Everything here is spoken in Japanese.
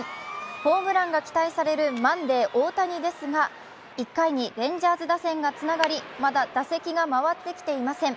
ホームランが期待されるマンデー大谷ですが、１回にレンジャーズ打線がつながりまだ打席が回ってきてません。